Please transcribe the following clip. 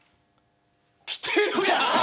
来てるやん。